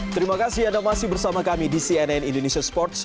terima kasih anda masih bersama kami di cnn indonesia sports